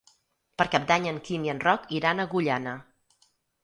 Per Cap d'Any en Quim i en Roc iran a Agullana.